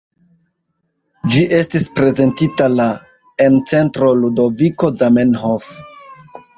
Ĝi estis prezentita la en Centro Ludoviko Zamenhof.